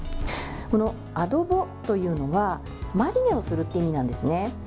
このアドボというのはマリネをするという意味なんです。